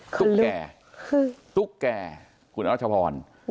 ตุ๊กแก่ตุ๊กแก่คุณรัชพร